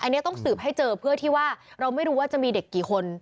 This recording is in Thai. อันนี้ต้องสืบให้เจอเพื่อที่ว่าเราไม่รู้ว่าจะมีเด็กกี่คน